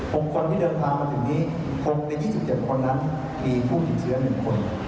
หกคนที่เดินทางมาจากนี้หกในยี่สิบเจ็ดคนนั้นมีผู้ผิดเชื้อหนึ่งคน